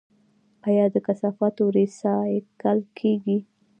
آیا د کثافاتو ریسایکل کیږي؟